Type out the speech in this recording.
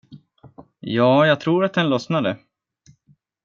Ja, jag tror att den lossnade.